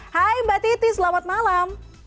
hai mbak titi selamat malam